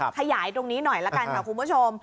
ขยายตรงนี้หน่อยละกันค่ะคุณผู้ชม